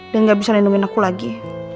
dan gak bisa nendungin aku lagi